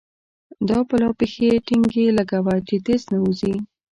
دا پلا پښې ټينګې لګوه چې تېر نه وزې.